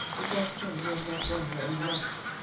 The gods send you have not won your own loss.